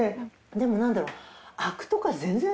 でもなんだろう。